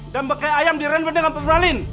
dan bangkai ayam direndam dengan formalin